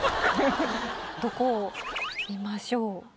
どこを見ましょう？